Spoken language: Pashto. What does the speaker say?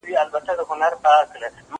ايا ته مينه څرګندوې،